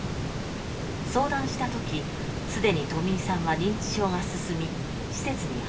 相談した時既にとみいさんは認知症が進み施設に入っていました。